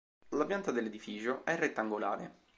La pianta dell'edificio è rettangolare.